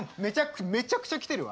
めちゃくちゃ来てるわ！